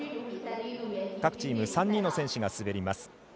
各チーム３人の選手が滑ります。